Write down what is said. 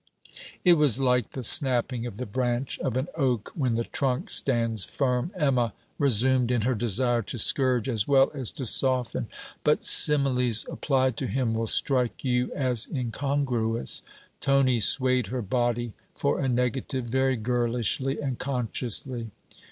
'It was like the snapping of the branch of an oak, when the trunk stands firm,' Emma resumed, in her desire to scourge as well as to soften. 'But similes applied to him will strike you as incongruous.' Tony swayed her body, for a negative, very girlishly and consciously.